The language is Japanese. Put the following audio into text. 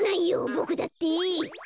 ボクだって！